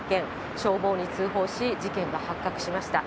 消防に通報し、事件が発覚しました。